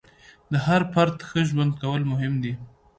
د هر فرد ښه ژوند کول مهم دي.